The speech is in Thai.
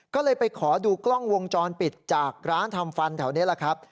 ก็เลยไปขอดูกล้องวงจรปิดจากร้านทำฟันแถวนี้แหละครับ